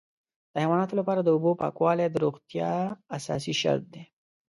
د حیواناتو لپاره د اوبو پاکوالی د روغتیا اساسي شرط دی.